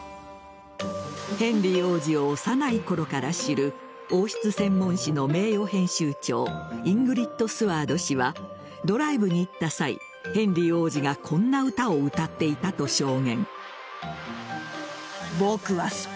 ヘンリー王子を幼いころから知る王室専門誌の名誉編集長イングリッド・スワード氏はドライブに行った際ヘンリー王子がこんな歌を歌っていたと証言。